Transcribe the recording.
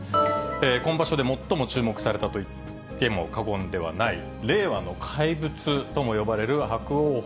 今場所で最も注目されたといっても過言ではない、令和の怪物とも呼ばれる伯桜鵬。